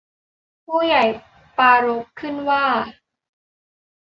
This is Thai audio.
ผู้ใหญ่ปรารภขึ้นว่า